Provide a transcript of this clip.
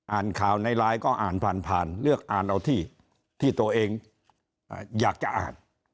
อ่านข่าวในไลน์ก็อ่านผ่านผ่านเลือกอ่านเอาที่ตัวเองอยากจะอ่าน